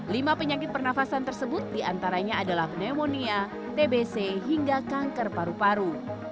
lima penyakit pernafasan tersebut diantaranya adalah pneumonia tbc hingga kanker paru paru